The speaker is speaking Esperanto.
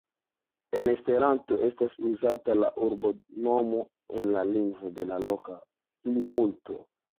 En Esperanto estas uzata la urbonomo en la lingvo de loka plimulto.